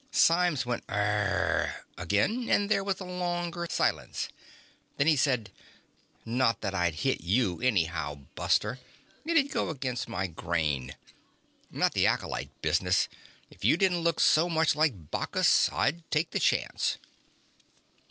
Symes went Rrr again and there was a longer silence. Then he said: "Not that I'd hit you anyhow, buster. It'd go against my grain. Not the acolyte business if you didn't look so much like Bacchus, I'd take the chance."